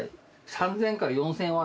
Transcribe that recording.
３，０００から４，０００Ｗ。